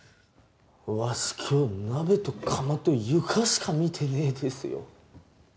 わし今日鍋と釜と床しか見てねえですよ